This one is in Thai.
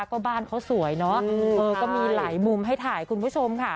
ก็บ้านเขาสวยเนอะก็มีหลายมุมให้ถ่ายคุณผู้ชมค่ะ